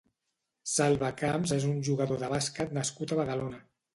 Salva Camps és un jugador de bàsquet nascut a Badalona.